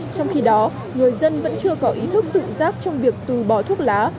trong khi đó người dân vẫn chưa có ý thức tự giác trong việc từ bỏ thuốc lá